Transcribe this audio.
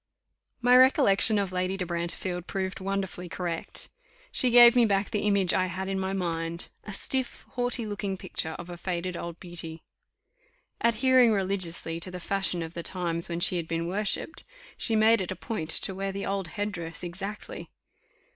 My recollection of Lady de Brantefield proved wonderfully correct; she gave me back the image I had in my mind a stiff, haughty looking picture of a faded old beauty. Adhering religiously to the fashion of the times when she had been worshipped, she made it a point to wear the old head dress exactly.